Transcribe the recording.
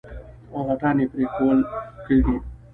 او غټان يې پرېښوول کېږي.